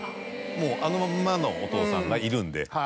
もうあのまんまのお父さんがいるんで。